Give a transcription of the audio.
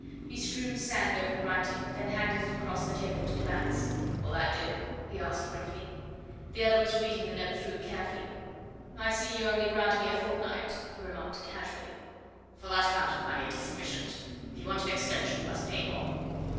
He strewed sand over the writing, then handed it across the table to de Batz. "Will that do?" he asked briefly. The other was reading the note through carefully. "I see you only grant me a fortnight," he remarked casually. "For that amount of money it is sufficient. If you want an extension you must pay more."